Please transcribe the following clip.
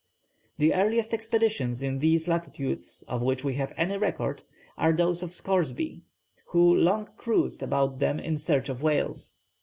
The earliest expeditions in these latitudes of which we have any record are those of Scoresby, who long cruised about them in search of whales.